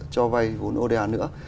cho vay vốn oda nữa